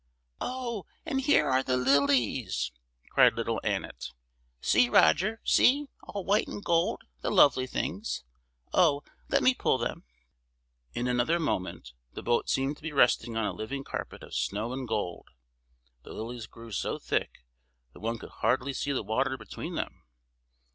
"Oh, and here are the lilies!" cried little Annet. "See, Roger! see! all white and gold, the lovely things! Oh, let me pull them!" In another moment, the boat seemed to be resting on a living carpet of snow and gold. The lilies grew so thick that one could hardly see the water between them.